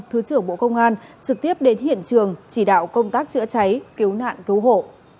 thứ trưởng bộ công an trực tiếp đến hiện trường chỉ đạo công tác chữa cháy cứu nạn cứu hộ